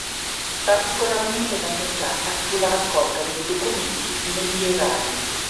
Particolarmente danneggiata fu la raccolta dei documenti medievali.